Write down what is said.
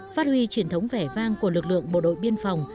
phát huy truyền thống vẻ vang của lực lượng bộ đội biên phòng